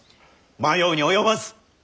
迷うに及ばず！